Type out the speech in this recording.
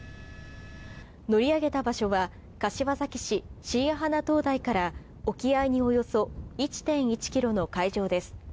乗り上げた場所は柏崎市・椎谷鼻灯台から沖合におよそ１．１ｋｍの海上です。